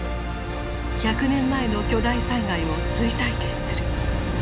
１００年前の巨大災害を追体験する。